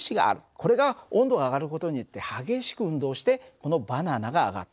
これが温度が上がる事によって激しく運動してこのバナナが上がった。